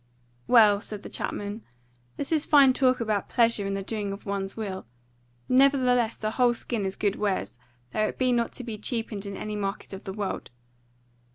"Well," said the chapman, "this is fine talk about pleasure and the doing of one's will; nevertheless a whole skin is good wares, though it be not to be cheapened in any market of the world.